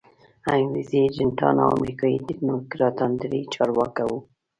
انګریزي ایجنټان او امریکایي تکنوکراتان درې چارکه وو.